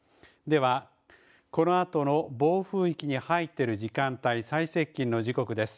では、このあとの暴風域に入ってる時間帯、最接近の時刻です。